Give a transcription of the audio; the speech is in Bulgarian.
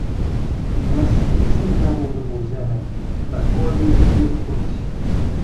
— Наситих се, дявол да го вземе, да коля и да бия турци.